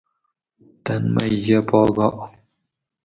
تن مئ یہ پا گا